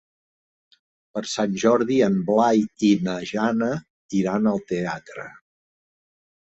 Per Sant Jordi en Blai i na Jana iran al teatre.